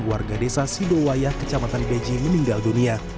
warga desa sidowayah kecamatan beji meninggal dunia